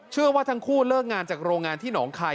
เชื่อว่าทั้งคู่เลิกงานจากโรงงานที่หนองคาย